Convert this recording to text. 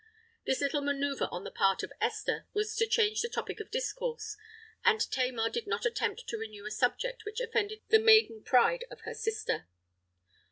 This little manœuvre on the part of Esther was to change the topic of discourse: and Tamar did not attempt to renew a subject which offended the maiden pride of her sister.